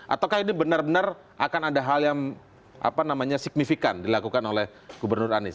ataukah ini benar benar akan ada hal yang signifikan dilakukan oleh gubernur anies